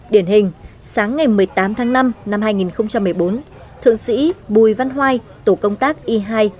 điển hình sáng ngày một mươi tám tháng năm năm hai nghìn một mươi bốn thượng sĩ bùi văn hoai tổ công tác y hai một trăm bốn mươi một